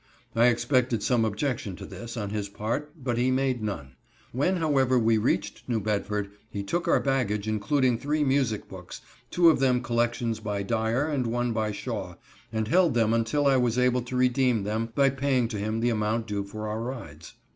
I expected some objection to this on his part, but he made none. When, however, we reached New Bedford, he took our baggage, including three music books,—two of them collections by Dyer, and one by Shaw,—and held them until I was able to redeem them by paying to him the amount due for our rides.